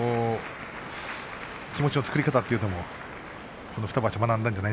気持ちの作り方というのをこの２場所学んだんじゃ